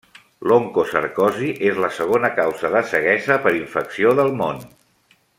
L'oncocercosi és la segona causa de ceguesa per infecció del món.